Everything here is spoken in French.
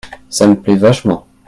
Ça me plait vachement.